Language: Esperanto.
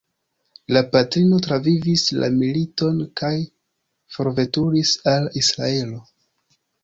La patrino travivis la militon kaj forveturis al Israelo.